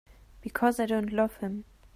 Because I don't love him.